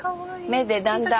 芽でだんだん。